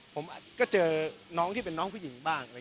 ผมก็เจอน้องที่เป็นน้องผู้หญิงบ้าง